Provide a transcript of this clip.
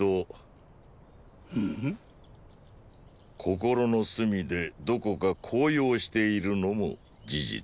心の隅でどこか高揚しているのも事実です。